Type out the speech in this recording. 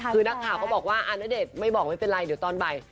คือนักข่าวก็บอกว่าอาณเดชน์ไม่บอกไม่เป็นไรเดี๋ยวตอนบ่าย